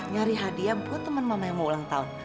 nyari hadiah buat teman mama yang mau ulang tahun